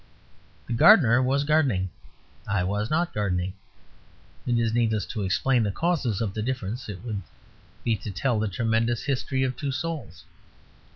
The gardener was gardening. I was not gardening. It is needless to explain the causes of this difference; it would be to tell the tremendous history of two souls.